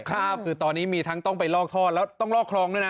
คือตอนนี้มีทั้งต้องไปลอกท่อแล้วต้องลอกคลองด้วยนะ